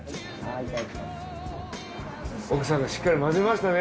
奥さんがしっかり混ぜましたね